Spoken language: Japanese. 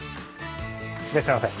いらっしゃいませ。